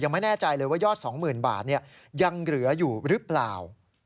ไม่แน่ใจเลยว่ายอด๒๐๐๐บาทยังเหลืออยู่หรือเปล่า